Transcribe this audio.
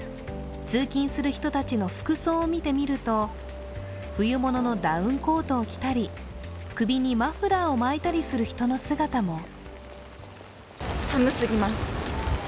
通勤する人たちの服装を見てみると冬物のダウンコートを着たり首にマフラーを巻いたりする人の姿も。